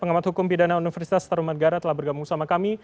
pengamat hukum pidana universitas tarumadgara telah bergabung sama kami